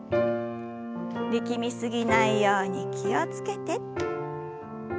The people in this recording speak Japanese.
力み過ぎないように気を付けて。